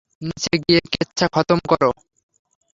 নিচে গিয়ে কেচ্ছা খতম করো।